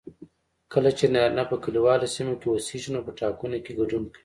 کله چې نارینه په کليوالو سیمو کې اوسیږي نو په ټاکنو کې ګډون کوي